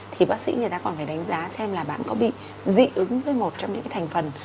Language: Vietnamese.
thì bác sĩ người ta còn phải đánh giá xem là bạn có bị dị ứng với một trong những cái thành phần